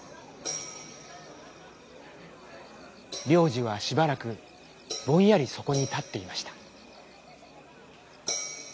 りょうじはしばらくぼんやりそこにたっていました。